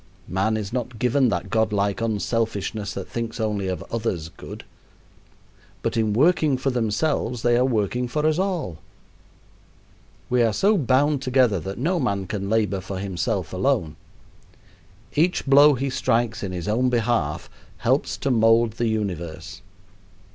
Man is not given that godlike unselfishness that thinks only of others' good. But in working for themselves they are working for us all. We are so bound together that no man can labor for himself alone. Each blow he strikes in his own behalf helps to mold the universe.